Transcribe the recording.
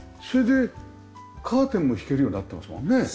それでカーテンも引けるようになってますもんね。